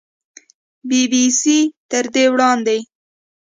بي بي سي تر دې وړاندې